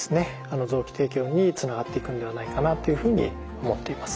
臓器提供につながっていくんではないかなっていうふうに思っています。